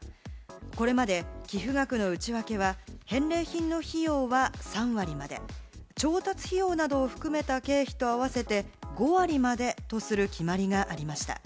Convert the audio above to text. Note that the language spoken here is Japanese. これまで寄付額の内訳は、返礼品の費用は３割まで、調達費用などを含めた経費と合わせて５割までとする決まりがありました。